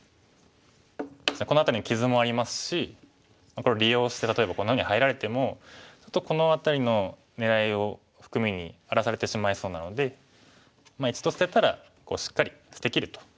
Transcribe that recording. この辺りに傷もありますしこれを利用して例えばこんなふうに入られてもちょっとこの辺りの狙いを含みに荒らされてしまいそうなので一度捨てたらしっかり捨てきると。